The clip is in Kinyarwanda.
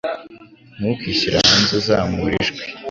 Ntukishyire hanze uzamura ijwi.